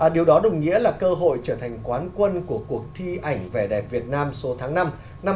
điều đó đồng nghĩa là cơ hội trở thành quán quân của cuộc thi ảnh vẻ đẹp việt nam số tháng năm năm hai nghìn hai mươi bốn